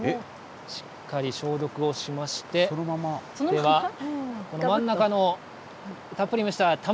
しっかり消毒をしまして、では、真ん中の、たっぷり蒸した卵。